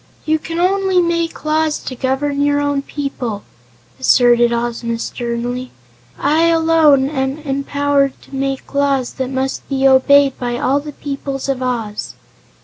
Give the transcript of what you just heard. "You can only make laws to govern your own people," asserted Ozma sternly. "I, alone, am empowered to make laws that must be obeyed by all the peoples of Oz."